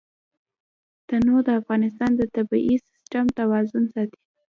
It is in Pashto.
تنوع د افغانستان د طبعي سیسټم توازن ساتي.